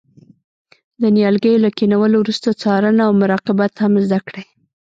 د نیالګیو له کینولو وروسته څارنه او مراقبت هم زده کړئ.